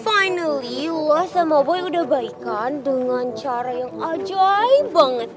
finally lo sama boy udah baikan dengan cara yang ajaib banget